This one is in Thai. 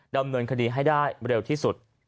ดำเนินคดีให้ได้เร็วที่สุด